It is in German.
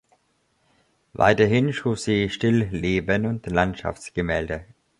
Weiterhin schuf sie Stillleben und Landschaftsgemälde.